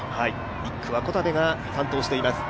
１区は小田部が担当しています。